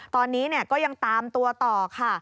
ตอนนี้ก็ยังตามตัวต่อค่ะ